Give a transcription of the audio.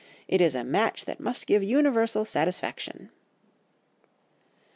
It is a match that must give universal satisfaction.